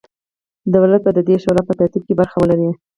دولت به د دې شورا په ترتیب کې برخه ولري.